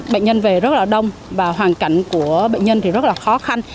bệnh nhân về rất là đông và hoàn cảnh của bệnh nhân thì rất là khó khăn